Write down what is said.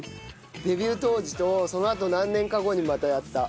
デビュー当時とそのあと何年か後にまたやった。